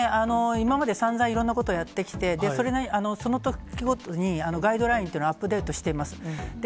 今までさんざんいろんなことをやってきて、それなりに、そのときごとにガイドラインというのはアップデートしています。